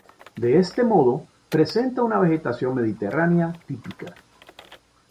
De este modo, presenta una vegetación mediterránea típica.